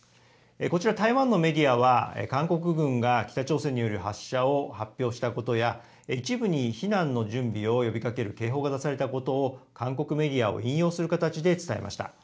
こちら台湾のメディアは、韓国軍が北朝鮮による発射を発表したことや、一部に避難の準備を呼びかける警報が出されたことを、韓国メディアを引用する形で伝えました。